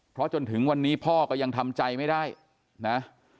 เพราะจนถึงวันนี้พ่อก็ยังทำใจไม่ได้นะ